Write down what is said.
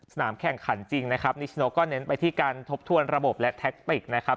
แข่งขันจริงนะครับนิชโนก็เน้นไปที่การทบทวนระบบและแท็กติกนะครับ